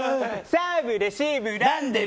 サーブ、レシーブ。